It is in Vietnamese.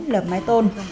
lợp mái tôn